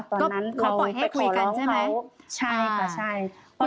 ตอนนั้นเขาไปขอร้องเขาใช่ค่ะใช่